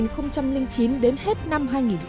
từ năm hai nghìn chín đến hết năm hai nghìn một mươi tám